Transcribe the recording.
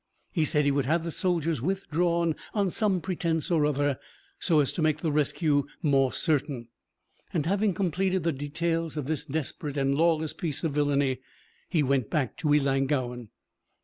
He said he would have the soldiers withdrawn on some pretence or other, so as to make the rescue more certain; and having completed the details of this desperate and lawless piece of villainy, he went back to Ellangowan.